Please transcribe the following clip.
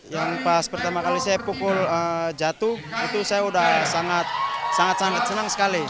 yang pas pertama kali saya pukul jatuh itu saya sudah sangat sangat senang sekali